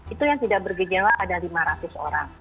itu yang tidak bergejala ada lima ratus orang